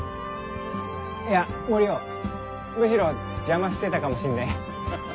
いや森生むしろ邪魔してたかもしんねえ。